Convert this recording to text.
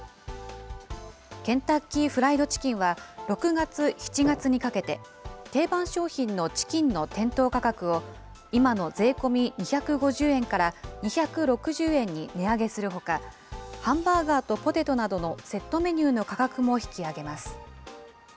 ケンタッキーフライドチキンは、６月、７月にかけて、定番商品のチキンの店頭価格を今の税込み２５０円から２６０円に値上げするほか、ハンバーガーとポテトなどのセットメニューの価格も引き上げます。